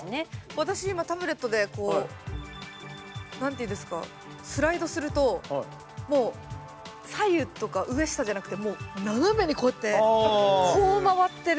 私今タブレットでこう何て言うんですかスライドするともう左右とか上下じゃなくて斜めにこうやってこう回ってる。